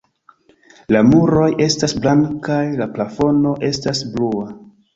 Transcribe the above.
La muroj estas blankaj, la plafono estas blua.